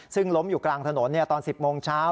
ซึ่งล้มอยู่กลางถนนตอน๑๐โมงเช้า